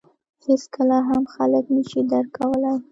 • هېڅکله هم خلک نهشي درک کولای.